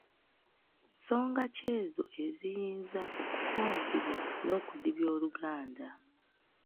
Nsonga ki ezo eziyinza okukonzibya n’okudibya Oluganda?